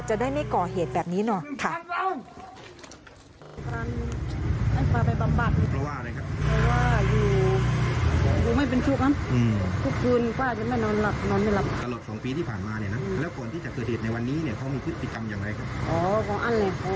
จะได้ไม่ก่อเหตุแบบนี้หน่อยค่ะ